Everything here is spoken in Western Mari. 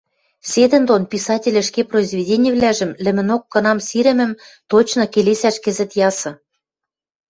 Седӹндон писатель ӹшке произведенивлӓжӹм лӹмӹнок кынам сирӹмӹм точно келесӓш кӹзӹт ясы.